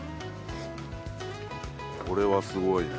これはすごいね。